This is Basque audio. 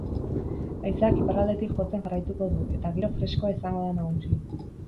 Haizeak iparraldetik jotzen jarraituko du eta giro freskoa izango da nagusi.